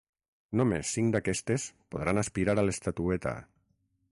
Només cinc d’aquestes podran aspirar a l’estatueta.